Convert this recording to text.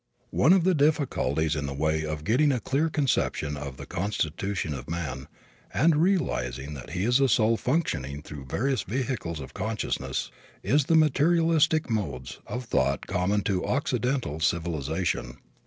One of the difficulties in the way of getting a clear conception of the constitution of man, and realizing that he is a soul functioning through various vehicles of consciousness, is the materialistic modes of thought common to Occidental civilization.